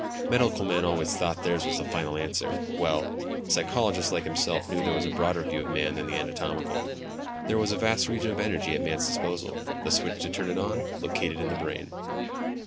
Medical men always thought theirs was the final answer; well, psychologists like himself knew there was a broader view of man than the anatomical. There was a vast region of energy at man's disposal; the switch to turn it on, located in the brain.